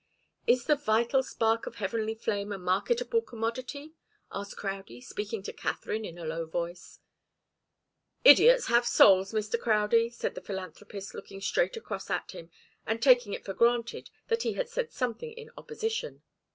"Is the 'vital spark of heavenly flame' a marketable commodity?" asked Crowdie, speaking to Katharine in a low voice. "Idiots have souls, Mr. Crowdie," said the philanthropist, looking straight across at him, and taking it for granted that he had said something in opposition.